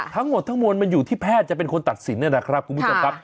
ทั้งหมดทั้งมวลมันอยู่ที่แพทย์จะเป็นคนตัดสินนะครับคุณผู้ชมครับ